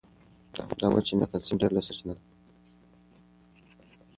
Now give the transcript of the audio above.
دا وچه مېوه د کلسیم ډېره لویه سرچینه ده.